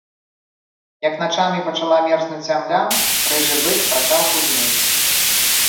Як начамі пачала мерзнуць зямля, рыжы бык пачаў худнець.